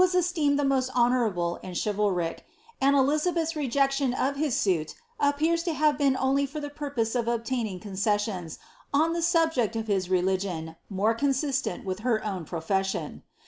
aa esteemed the mot 'honouruble and chivalric, and Elizabeth's rejection of his suit appear lo ha»e been only for the purpose of obtaining concesainns on the sub ject of his religion more consistent with her own profession.